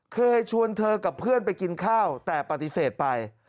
เคยชวนเธอกับเพื่อนไปกินข้าวแต่ปฏิเสธไป